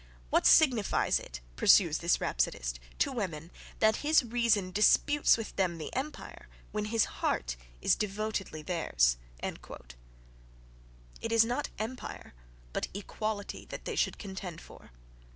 "What signifies it," pursues this rhapsodist, "to women, that his reason disputes with them the empire, when his heart is devotedly theirs." It is not empire but equality, that they should contend for.